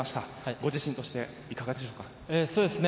ご自身としていかがでしょうか？